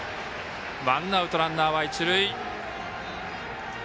ワンアウト、ランナーは一塁。